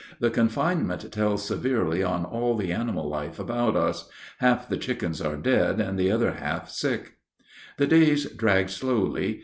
The confinement tells severely on all the animal life about us. Half the chickens are dead and the other half sick. The days drag slowly.